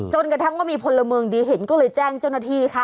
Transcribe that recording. จนกระทั่งว่ามีพลเมืองดีเห็นก็เลยแจ้งเจ้าหน้าที่ค่ะ